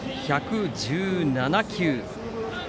１１７球。